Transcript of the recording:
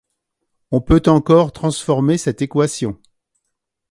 On peut encore transformer cette équation.